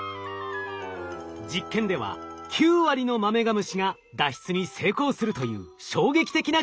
実験では９割のマメガムシが脱出に成功するという衝撃的な結果となりました。